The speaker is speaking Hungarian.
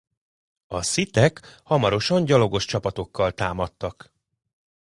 A Sith-ek hamarosan gyalogos csapatokkal támadtak.